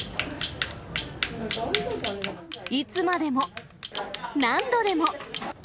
いつまでも、何度でも。